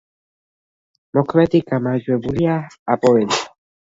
მოქმედი გამარჯვებულია „აპოელი“.